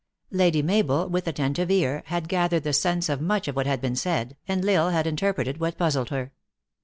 Lady Mabel, with attentive ear, had gathered the sense of much that had been said, and L Isle had in terpreted what puzzled her.